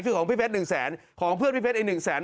คือของพี่เพชร๑แสนของเพื่อนพี่เพชรอีก๑แสน